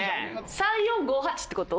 ３４５８ってこと？